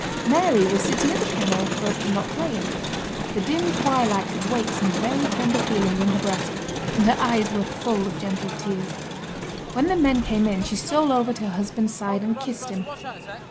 Mary was sitting at the piano but not playing. The dim twilight had waked some very tender feelings in her breast, and her eyes were full of gentle tears. When the men came in she stole over to her husband's side and kissed him.